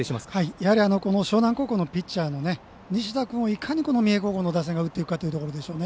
やはり樟南高校のピッチャーの西田君をいかに三重高校の打線が打っていけるかというところですね。